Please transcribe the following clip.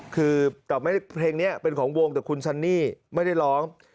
คือแต่เพลงนี้เป็นของวงแต่คุณซันนี่ไม่ได้ร้อง